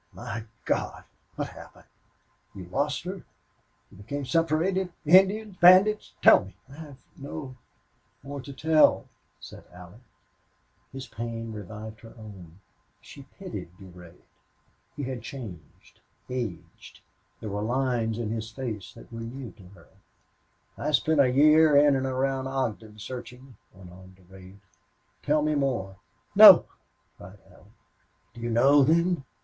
"My God! What happened? You lost her? You became separated?... Indians bandits?... Tell me!" "I have no more to tell," said Allie. His pain revived her own. She pitied Durade. He had changed aged there were lines in his face that were new to her. "I spent a year in and around Ogden, searching," went on Durade. "Tell me more." "No!" cried Allie. "Do you know, then?"